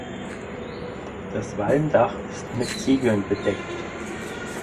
Das Walmdach ist mit Ziegeln bedeckt.